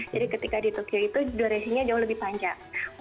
jadi ketika di tokyo itu durasinya jauh lebih panjang